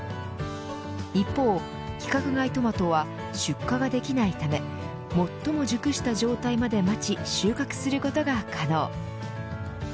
一方、規格外トマトは出荷ができないため最も熟した状態まで待ち収穫することが可能。